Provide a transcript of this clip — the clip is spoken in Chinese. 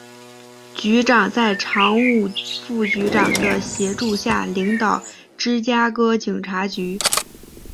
局长在常务副局长的协助下领导芝加哥警察局。